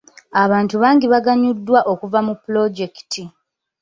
Abantu bangi baaganyuddwa okuva mu pulojekiti.